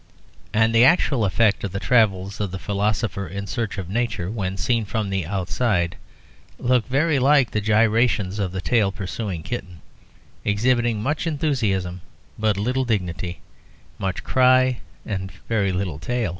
And the actual effect of the travels of the philosopher in search of nature, when seen from the outside, looks very like the gyrations of the tail pursuing kitten, exhibiting much enthusiasm but little dignity, much cry and very little tail.